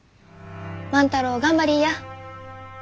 万太郎頑張りいや。